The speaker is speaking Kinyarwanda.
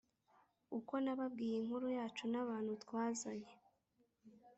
uko nababwiye inkuru yacu n’abantu twazanye